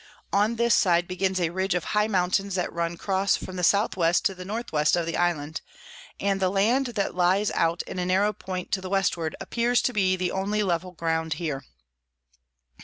On this side begins a Ridge of high Mountains that run cross from the S W to the N W of the Island; and the Land that lies out in a narrow Point to the Westward, appears to be the only level Ground here.